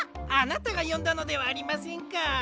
あなたがよんだのではありませんか！